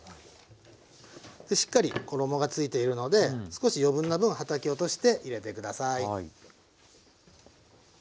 しっかり衣がついているので少し余分な分はたき落として入れて下さい。